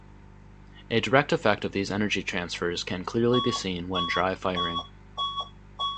A direct effect of these energy transfers can clearly be seen when dry firing.